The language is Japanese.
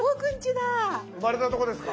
生まれたとこですか？